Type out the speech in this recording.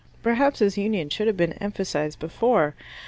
Perhaps his union should have been emphasized before.